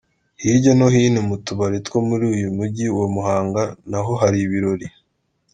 Hirya no hino mu tubari two muri uyu Mujyi wa Muhanga naho hari ibirori.